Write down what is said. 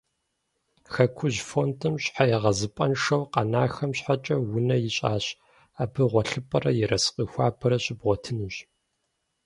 «Хэкужь» фондым щхьэегъэзыпӏэншэу къэнахэм щхьэкӏэ унэ ищӏащ. Абы гъуэлъыпӏэрэ ерыскъы хуабэрэ щыбгъуэтынущ.